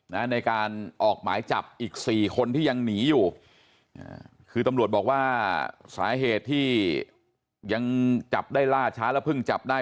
ในการออกหมายจับอีกสี่คนที่ยังหนีอยู่อ่าคือตำรวจบอกว่าสาเหตุที่ยังจับได้ล่าช้าแล้วเพิ่งจับได้